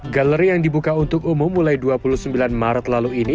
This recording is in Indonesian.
galeri yang dibuka untuk umum mulai dua puluh sembilan maret lalu ini